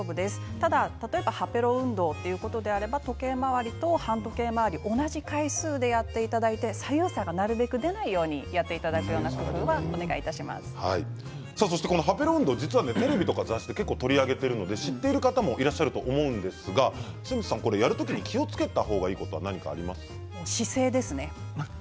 ただ歯ペロ運動ということであれば時計回りと反時計回りと同じ回数でやっていただいて左右差がなるべく出ないようにやっていただくように歯ペロ運動テレビや雑誌で結構取り上げているので知っている方もいらっしゃると思うんですがやる時に気をつけた方が姿勢ですね。